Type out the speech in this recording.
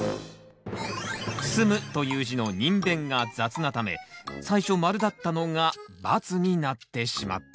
「住む」という字の人偏が雑なため最初マルだったのがバツになってしまった。